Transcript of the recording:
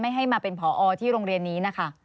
ไม่ให้มาเป็นพออร์ที่โรงเรียนนี้